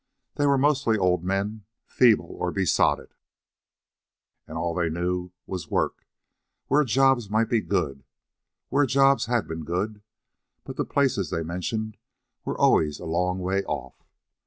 They were mostly old men, feeble or besotted, and all they knew was work where jobs might be good, where jobs had been good; but the places they mentioned were always a long way off.